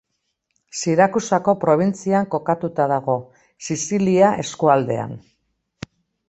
Sirakusako probintzian kokatuta dago, Sizilia eskualdean.